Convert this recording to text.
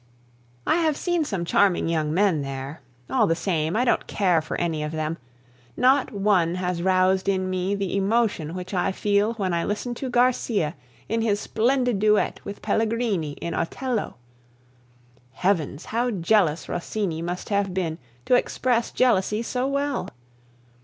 I have seen some charming young men there; all the same, I don't care for any of them; not one has roused in me the emotion which I feel when I listen to Garcia in his splendid duet with Pellegrini in Otello. Heavens! how jealous Rossini must have been to express jealousy so well!